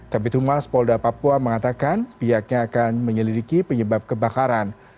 kabit humas polda papua mengatakan pihaknya akan menyelidiki penyebab kebakaran